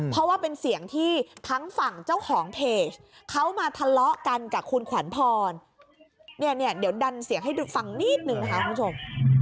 เพราะว่าเป็นเสียงที่ทั้งฝั่งเจ้าของเพจเขามาทะเลาะกันกับคุณขวัญพรเนี่ยเนี่ยเดี๋ยวดันเสียงให้ฟังนิดนึงนะคะคุณผู้ชม